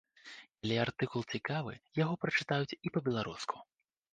Калі артыкул цікавы, яго прачытаюць і па-беларуску.